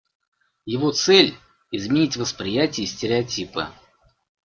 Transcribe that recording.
Его цель — изменить восприятие и стереотипы.